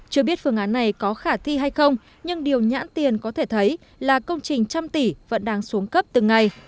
chưa biết phương án này có khả thi hay không nhưng điều nhãn tiền có thể thấy là công trình trăm tỷ vẫn đang xuống cấp từng ngày